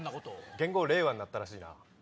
元号令和になったらしいな。